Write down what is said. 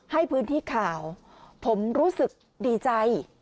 ให้พื้นที่ข่าวผมรู้สึกดีใจ